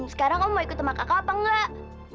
sekarang kamu mau ikut sama kakak apa enggak